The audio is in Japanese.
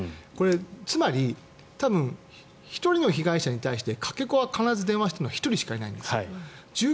つまり、多分１人の被害者に対してかけ子は必ず、電話しているのは１人しかいないんです。